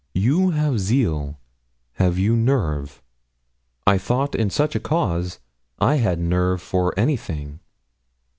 You have zeal have you nerve?' I thought in such a cause I had nerve for anything.